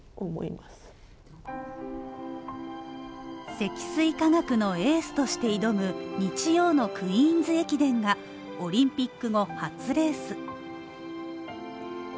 積水化学のエースとして挑む日曜のクイーンズ駅伝がオリンピック後初レース。